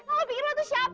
kalau lo pikir lo tuh siapa